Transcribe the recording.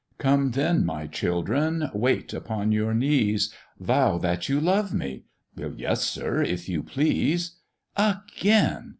Come then, my children! Watt! upon your knees Vow that you love me." "Yes, sir, if you please." "Again!